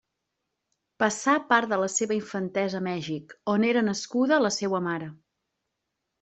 Passà part de la seva infantesa a Mèxic, on era nascuda la seua mare.